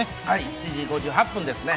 ７時５８分ですね。